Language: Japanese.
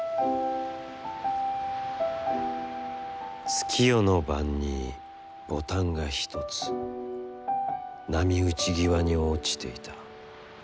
「月夜の晩に、ボタンが一つ波打際に、落ちていた。